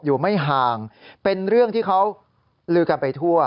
อยู่ไม่ห่างเป็นเรื่องที่เขาลือกันไปทั่ว